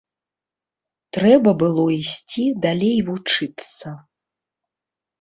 Трэба было ісці далей вучыцца.